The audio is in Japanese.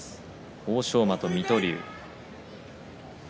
欧勝馬と水戸龍。